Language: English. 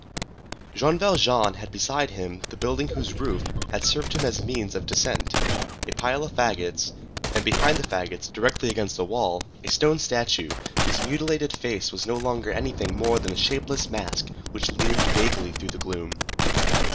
Jean Valjean had beside him the building whose roof had served him as a means of descent, a pile of fagots, and, behind the fagots, directly against the wall, a stone statue, whose mutilated face was no longer anything more than a shapeless mask which loomed vaguely through the gloom.